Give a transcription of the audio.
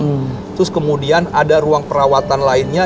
terus kemudian ada ruang perawatan lainnya